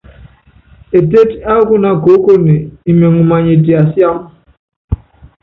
Etétí ákúna koókoné imɛŋ many itiasiám.